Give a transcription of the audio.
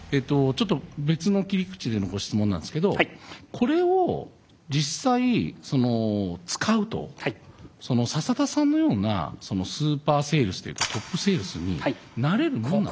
ちょっと別の切り口でのご質問なんですけどこれを実際その使うとその笹田さんのようなそのスーパーセールスというかトップセールスになれるもんなんですか？